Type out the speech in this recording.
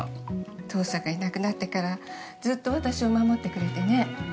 父さんがいなくなってからずっと私を守ってくれてね。